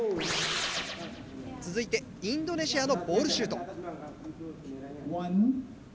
続いてインドネシアのボールシュート。